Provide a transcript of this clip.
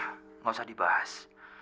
tidak usah dibahas